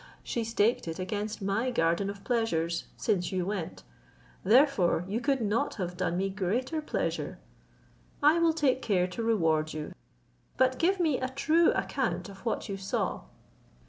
She staked it against my garden of pleasures, since you went; therefore you could not have done me greater pleasure. I will take care to reward you: but give me a true account of what you saw."